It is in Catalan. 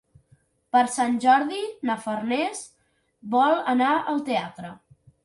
Per Sant Jordi na Farners vol anar al teatre.